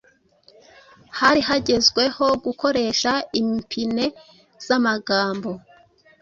hari hagezweho gukoresha impine z’amagambo